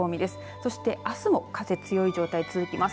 そしてあすも風強い状態が続きます。